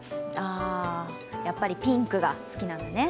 やっぱりピンクが好きなのね。